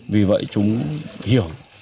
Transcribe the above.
vì vậy chúng hiểu